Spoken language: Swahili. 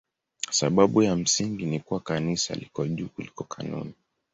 Sababu ya msingi ni kuwa Kanisa liko juu kuliko kanuni.